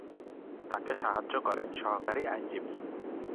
তাকে সাহায্য করেন সহকারী আইনজীবী।